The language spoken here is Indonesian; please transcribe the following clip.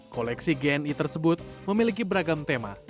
koleksi gni tersebut memiliki beragam tema